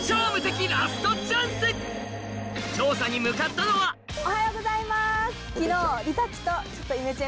調査に向かったのはおはようございます！